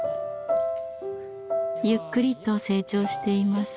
ゆっくりと成長しています。